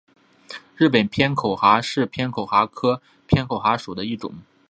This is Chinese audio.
日本偏口蛤是偏口蛤科偏口蛤属的一种。